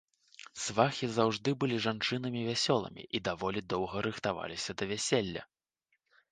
Свахі заўжды былі жанчынамі вясёлымі і даволі доўга рыхтаваліся да вяселля.